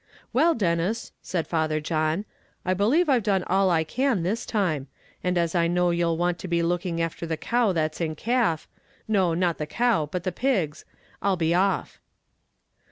"Well, Denis," said Father John, "I believe I've done all I can this time; and as I know you'll want to be looking after the cow that's in calf no, not the cow, but the pigs I'll be off."